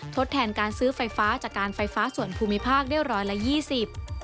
ทดแทนการซื้อไฟฟ้าจากการไฟฟ้าส่วนภูมิภาคได้๑๒๐